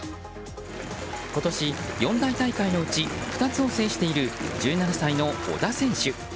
今年、四大大会のうち２つを制している１７歳の小田選手。